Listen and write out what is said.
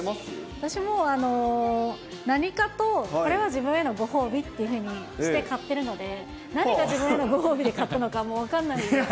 私も何かとこれは自分へのご褒美っていうふうにして買ってるので、何が自分へのご褒美で買ったのか、もう分かんないんですが。